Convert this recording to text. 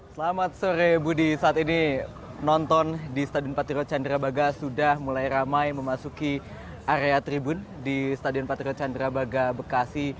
selamat sore budi saat ini nonton di stadion patriot candrabaga sudah mulai ramai memasuki area tribun di stadion patriot candrabaga bekasi